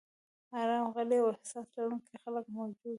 ارام، غلي او احساس لرونکي خلک موجود و.